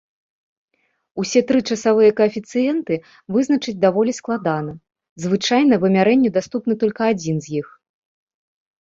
Усе тры часавыя каэфіцыенты вызначыць даволі складана, звычайна вымярэнню даступны толькі адзін з іх.